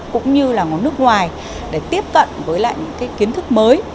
cũng như là ở nước ngoài để tiếp cận với lại những kiến thức mới